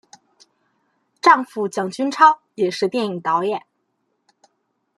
丈夫蒋君超也是电影导演。